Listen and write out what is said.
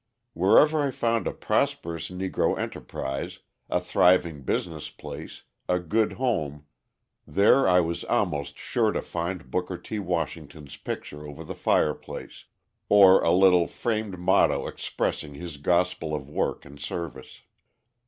Wherever I found a prosperous Negro enterprise, a thriving business place, a good home, there I was almost sure to find Booker T. Washington's picture over the fireplace or a little framed motto expressing his gospel of work and service.